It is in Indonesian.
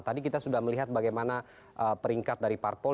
tadi kita sudah melihat bagaimana peringkat dari parpol